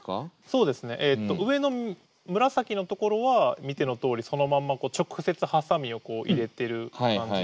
そうですね上の紫の所は見てのとおりそのまんま直接はさみを入れてる感じ。